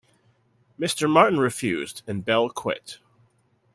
Mr. Martin refused, and Bell quit.